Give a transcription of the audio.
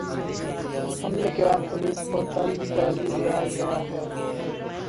حملے کے بعد پولیس کو طلب کر لیا گیا ہے